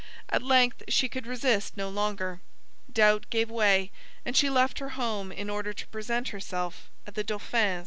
At length she could resist no longer. Doubt gave way; and she left her home in order to present herself at the Dauphin's court.